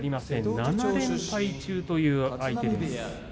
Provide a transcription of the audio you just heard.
７連敗中という相手です。